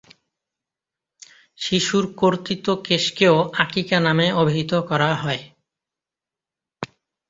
শিশুর কর্তিত কেশকেও আকিকা নামে অভিহিত করা হয়।